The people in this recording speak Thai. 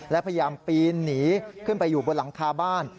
และพยายามปีนหนีขึ้นไปอยู่บนหลังคาบ้าน